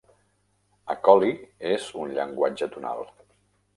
Acoli és un llenguatge tonal.